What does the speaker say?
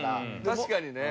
確かにね。